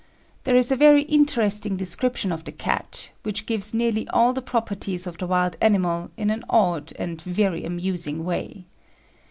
There is a very interesting description of the cat, which gives nearly all the properties of the wild animal in an odd and very amusing way.